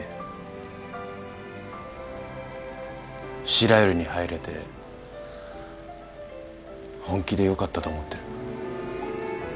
白百合に入れて本気でよかったと思ってる。